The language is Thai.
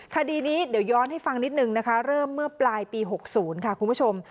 คดีนี้เดี๋ยวย้อนให้ฟังนิดนึงนะคะเริ่มเมื่อปลายปี๖๐ค่ะคุณผู้ชม